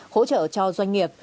hỗ trợ cho doanh nghiệp